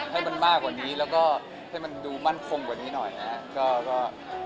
ให้มันมากกว่านี้แล้วก็ให้มันดูมั่นคงกว่านี้หน่อยนะครับ